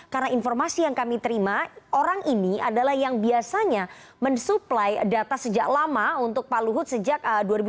karena informasi yang kami terima orang ini adalah yang biasanya mensuplai data sejak lama untuk pak luhut sejak dua ribu sembilan belas